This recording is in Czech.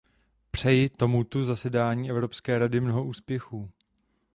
Přeji tomutu zasedání Evropské rady mnoho úspěchů.